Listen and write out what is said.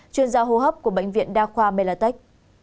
chuyên gia hô hấp của bệnh viện đa khoa melatech